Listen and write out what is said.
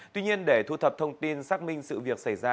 tuy nhiên để thu thập thông tin xác minh sự việc xảy ra